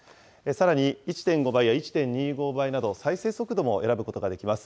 さらに１．５倍や１．２５倍など、再生速度も選ぶことができます。